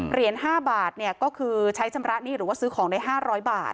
เหรียญ๕บาทก็คือใช้ชำระหนี้หรือว่าซื้อของได้๕๐๐บาท